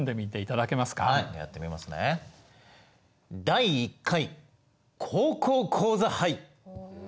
「第１回高校講座杯」！